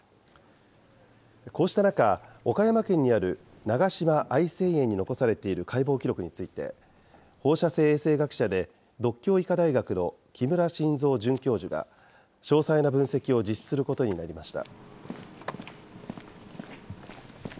こうした中、岡山県にある長島愛生園に残されている解剖記録について、放射線衛生学者で獨協医科大学の木村真三准教授が詳細な分析を実施することになりました。